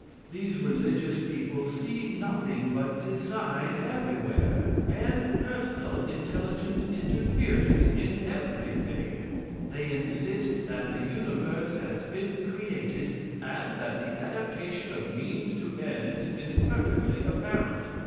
These religious people see nothing but design everywhere, and personal, intelligent interference in everything. They insist that the universe has been created, and that the adaptation of means to ends is perfectly apparent.